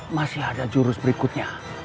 masih ada jurus berikutnya